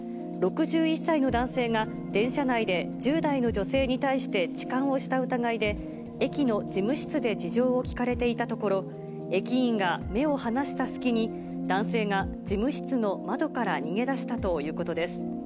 ６１歳の男性が電車内で１０代の女性に対して痴漢をした疑いで、駅の事務室で事情を聞かれていたところ、駅員が目を離した隙に、男性が事務室の窓から逃げ出したということです。